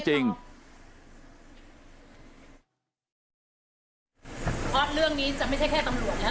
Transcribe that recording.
เพราะเรื่องนี้จะไม่ใช่แค่ตำรวจแล้ว